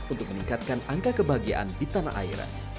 untuk meningkatkan angka kebahagiaan di tanah air